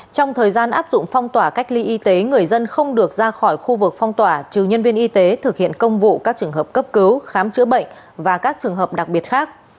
trong thời gian áp dụng phong tỏa cách ly y tế người dân không được ra khỏi khu vực phong tỏa trừ nhân viên y tế thực hiện công vụ các trường hợp cấp cứu khám chữa bệnh và các trường hợp đặc biệt khác